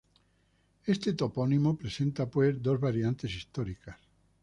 Este topónimo presenta, pues, dos variantes históricas.